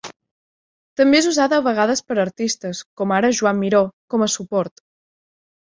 També és usada a vegades per artistes, com ara Joan Miró, com a suport.